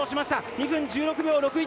２分１６秒６１。